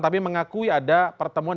tapi mengakui ada pertemuan